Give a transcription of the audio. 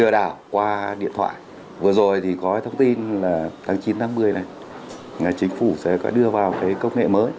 đã qua điện thoại vừa rồi thì có thông tin là tháng chín tháng một mươi này chính phủ sẽ đưa vào cái công nghệ mới